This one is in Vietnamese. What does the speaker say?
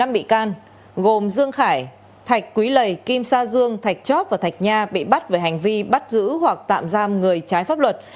năm bị can gồm dương khải thạch quý lầy kim sa dương thạch chóp và thạch nha bị bắt về hành vi bắt giữ hoặc tạm giam người trái pháp luật